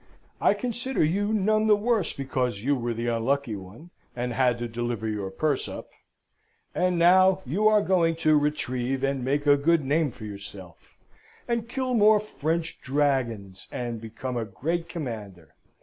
I consider you none the worse because you were the unlucky one, and had to deliver your purse up. And now you are going to retrieve, and make a good name for yourself; and kill more 'French dragons,' and become a great commander.